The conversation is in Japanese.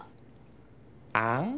あん？